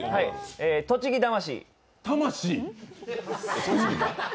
栃木魂。